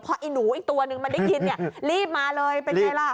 เพราะไอ้หนูอีกตัวนึงมาได้กินรีบมาเลยเป็นไงล่ะ